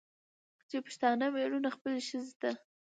چې پښتانه مېړونه خپلې ښځې ته